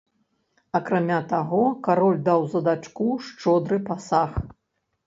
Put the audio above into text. Акрамя таго, кароль даў за дачку шчодры пасаг.